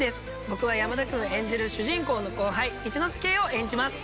「僕は山田くん演じる主人公の後輩一ノ瀬圭を演じます」